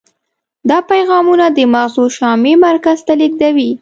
دا پیغامونه د مغزو شامعي مرکز ته لیږدوي.